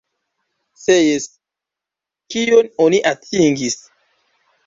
Se jes, kion oni atingis?